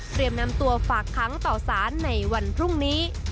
นำตัวฝากค้างต่อสารในวันพรุ่งนี้